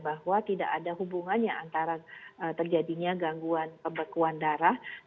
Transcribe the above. bahwa tidak ada hubungannya antara terjadinya gangguan pembekuan darah